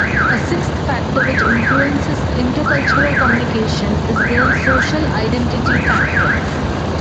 A sixth factor which influences intercultural communication is the social identity factor.